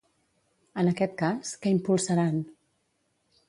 En aquest cas, què impulsaran?